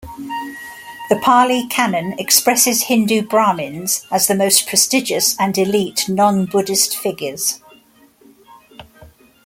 The Pali Canon expresses Hindu Brahmins as the most prestigious and elite non-Buddhist figures.